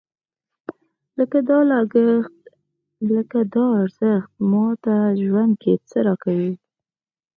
لکه دا ارزښت ماته ژوند کې څه راکوي؟